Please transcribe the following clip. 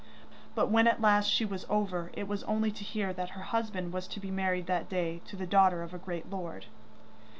But when at last she was over, it was only to hear that her husband was to be married that day to the daughter of a great lord.